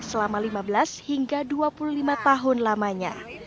selama lima belas hingga dua puluh lima tahun lamanya